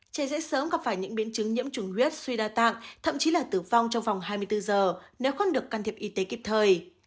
trẻ dễ sớm gặp phải những biến chứng nhiễm trùng huyết suy đa tạng thậm chí là tử vong trong vòng hai mươi bốn giờ nếu không được can thiệp y tế kịp thời